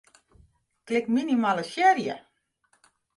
Klik Minimalisearje.